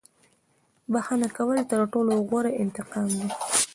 • بښنه کول تر ټولو غوره انتقام دی.